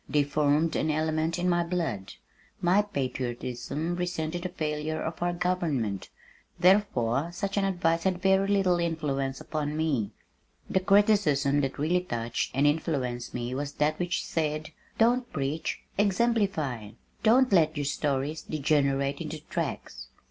They formed an element in my blood. My patriotism resented the failure of our government. Therefore such advice had very little influence upon me. The criticism that really touched and influenced me was that which said, "Don't preach, exemplify. Don't let your stories degenerate into tracts."